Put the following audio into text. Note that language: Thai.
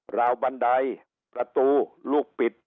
ราวบันไดประตูลูกปิด